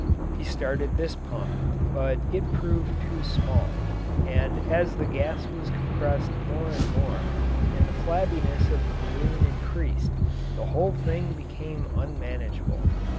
He started this pump, but it proved too small, and as the gas was compressed more and more, and the flabbiness of the balloon increased, the whole thing became unmanageable.